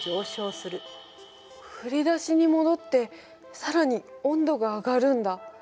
振り出しに戻って更に温度が上がるんだ。